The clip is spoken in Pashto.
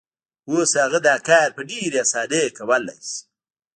اوس هغه دا کار په ډېرې اسانۍ کولای شي.